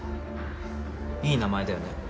いい名前だよね